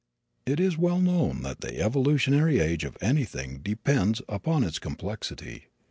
It is well known that the evolutionary age of anything depends upon its complexity.